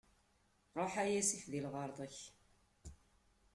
Ṛuḥ a yasif di lɣerḍ-ik.